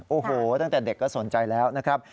โอ้โหตั้งแต่เด็กก็สนใจแล้วนะครับ